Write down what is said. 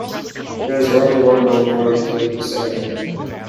There is only one road going through this area.